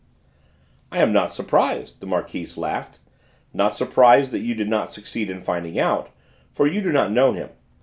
"I am not surprised," the Marquise laughed, "not surprised that you did not succeed in finding out, for you do not know him.